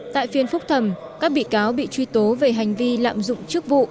tại phiên phúc thẩm các bị cáo bị truy tố về hành vi lạm dụng chức vụ